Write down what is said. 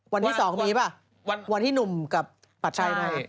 วันที่๒มีไหมวันที่หนุ่มกับปัจจัยนะครับ